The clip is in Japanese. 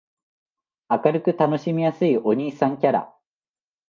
明るく親しみやすいお兄さんキャラ